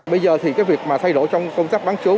bây giờ thì cái việc mà thay đổi trong công tác bán chú